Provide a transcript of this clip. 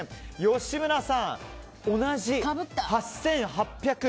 吉村さん、同じ、８８００円。